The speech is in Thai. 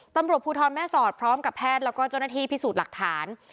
ตำรวจภูทรแม่สอดพร้อมกับแพทย์แล้วก็เจ้าหน้าที่พิสูจน์หลักฐาน